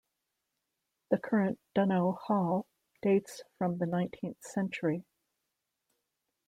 The current Dunnow Hall dates from the nineteenth century.